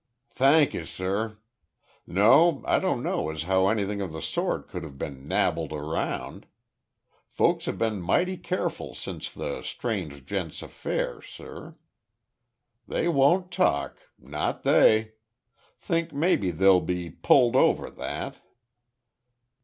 "Thank'ee sur. No, I don't know as how anything of the sort could have been nabbled around. Folks have been mighty careful since the strange gent's affair, sur. They won't talk not they. Think maybe they'll be `pulled' over that."